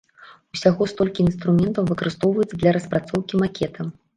Усяго столькі інструментаў выкарыстоўваецца для распрацоўкі макета.